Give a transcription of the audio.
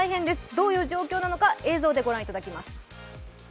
どういう状況なのか映像で御覧いただきます。